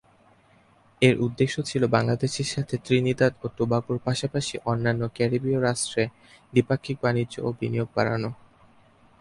এর উদ্দেশ্য ছিল বাংলাদেশের সাথে ত্রিনিদাদ ও টোবাগোর পাশাপাশি অন্যান্য ক্যারিবীয় রাষ্ট্রে দ্বিপাক্ষিক বাণিজ্য ও বিনিয়োগ বাড়ানো।